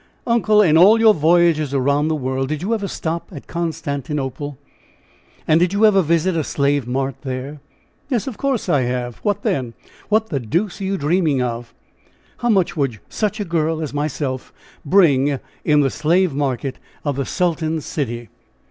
"Uncle, in all your voyages around the world did you ever stop at Constantinople? And did you ever visit a slave mart there?" "Yes; of course I have! What then? What the deuce are you dreaming of?" "How much would such a girl as myself bring in the slave market of the Sultan's city?"